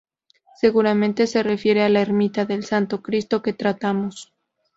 Seguramente se refiera a la ermita del Santo Cristo que tratamos.